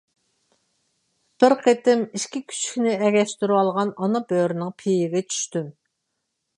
بىر قېتىم ئىككى كۈچۈكنى ئەگەشتۈرۈۋالغان ئانا بۆرىنىڭ پېيىگە چۈشتۈم.